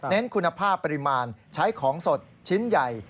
คุณภาพปริมาณใช้ของสดชิ้นใหญ่